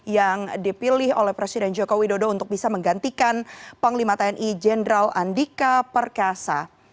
yang dipilih oleh presiden joko widodo untuk bisa menggantikan panglima tni jenderal andika perkasa